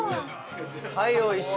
はいおいしい。